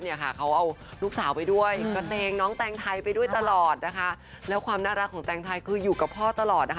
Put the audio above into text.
เนี่ยค่ะเขาเอาลูกสาวไปด้วยกระเตงน้องแตงไทยไปด้วยตลอดนะคะแล้วความน่ารักของแตงไทยคืออยู่กับพ่อตลอดนะคะ